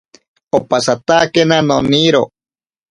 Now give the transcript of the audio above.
Opasatakena noniro.